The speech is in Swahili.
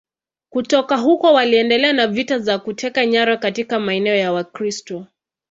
Kutoka huko waliendelea na vita za kuteka nyara katika maeneo ya Wakristo.